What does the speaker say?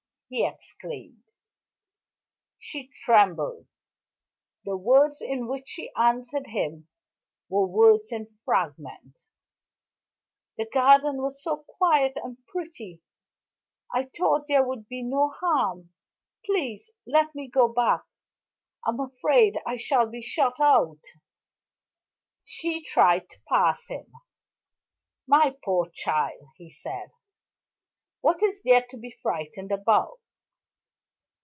he exclaimed. She trembled; the words in which she answered him were words in fragments. "The garden was so quiet and pretty I thought there would be no harm please let me go back I'm afraid I shall be shut out " She tried to pass him. "My poor child!" he said, "what is there to be frightened about?